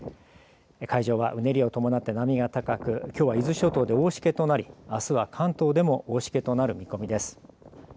海上はうねりを伴って波が高くきょうは伊豆諸島で大しけとなりあすは関東でも大しけとなる見込みです。